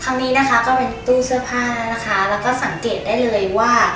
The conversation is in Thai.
นี้นะคะก็เป็นตู้เสื้อผ้านะคะแล้วก็สังเกตได้เลยว่า